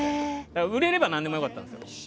売れれば何でも良かったです。